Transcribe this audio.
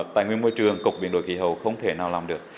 tài nguyên môi trường cục biển đội khí hầu không thể nào làm được